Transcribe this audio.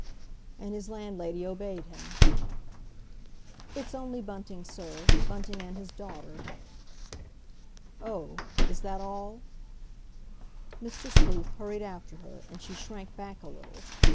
And his landlady obeyed him. "It's only Bunting, sir—Bunting and his daughter." "Oh! Is that all?" Mr. Sleuth hurried after her, and she shrank back a little.